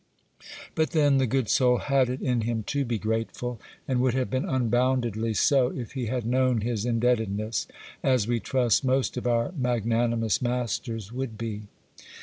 But then, the good soul had it in him to be grateful, and would have been unboundedly so, if he had known his indebtedness,—as, we trust, most of our magnanimous masters would be.